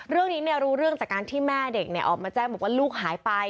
เรื่องนี้รู้เรื่องจากการที่แม่เด็กออกมาแจ้งบอกว่าลูกหายไป